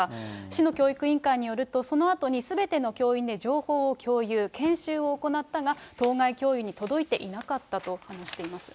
市の教育委員会によると、そのあとにすべての教員で情報を共有、研修を行ったが、当該教諭に届いていなかったと話しています。